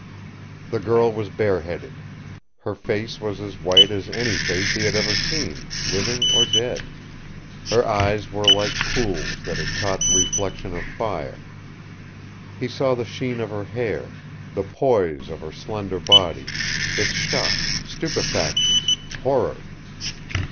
The girl was bareheaded. Her face was as white as any face he had ever seen, living or dead; her eyes were like pools that had caught the reflection of fire; he saw the sheen of her hair, the poise of her slender body its shock, stupefaction, horror.